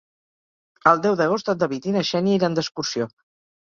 El deu d'agost en David i na Xènia iran d'excursió.